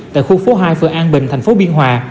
tại khu phố hai phừa an bình tp biên hòa